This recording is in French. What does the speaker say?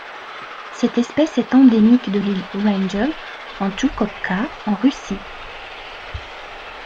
Cette espèce est endémique de l'île Wrangel en Tchoukotka en Russie.